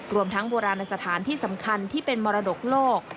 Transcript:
รวมทั้งโบราณสถานที่สำคัญที่เป็นมรดกโลก